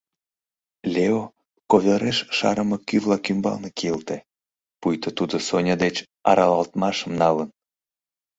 Лео ковёреш шарыме кӱ-влак ӱмбалне кийылте, пуйто тудо Соня деч аралалтмашым налын.